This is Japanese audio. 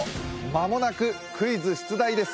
まもなくクイズ出題です